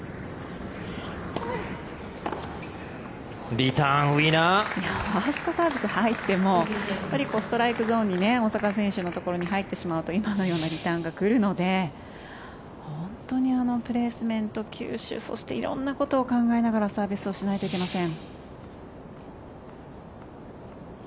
リターンウィナー！ファーストサービス入ってもストライクゾーンに大坂選手のところに入ってしまうと今のようなリターンが来るので本当に、あのプレースメント球種、色んなことを考えながらサービスをしないといけません。